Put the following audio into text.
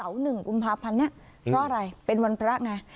เสา๑กุมภาพันธ์เนี่ยเพราะอะไรเป็นวันพระไง